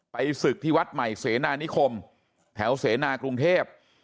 ศึกที่วัดใหม่เสนานิคมแถวเสนากรุงเทพ